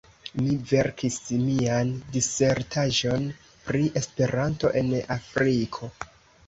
Mi verkis mian disertaĵon pri Esperanto en Afriko.